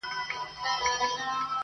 زه په مین سړي پوهېږم-